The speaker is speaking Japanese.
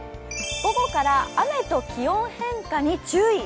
午後から雨と気温変化に注意。